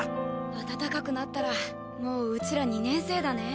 暖かくなったらもうウチら２年生だね。